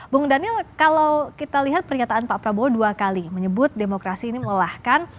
bung daniel kalau kita lihat pernyataan pak prabowo dua kali menyebut demokrasi ini melelahkan